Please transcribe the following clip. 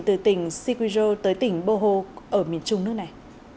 từ tỉnh siquijor tới tỉnh bohol ở miền trung nước này